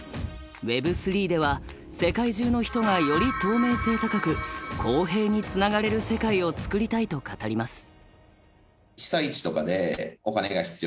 Ｗｅｂ３では世界中の人がより透明性高く公平につながれる世界をつくりたいと語ります。